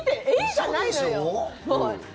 じゃないのよ。